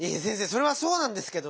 それはそうなんですけどね。